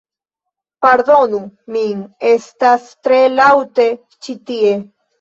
Pardonu min estas tre laŭte ĉi tie